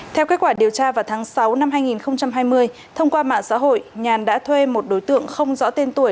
theo kết quả điều tra vào tháng sáu năm hai nghìn hai mươi thông qua mạng xã hội nhàn đã thuê một đối tượng không rõ tên tuổi